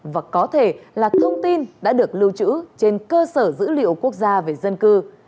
và có thể là thông tin đã được lưu trữ trên cơ sở dữ liệu quốc gia về dân cư